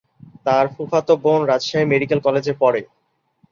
তার ফুফাতো বোন রাজশাহী মেডিকেল কলেজে পড়ে।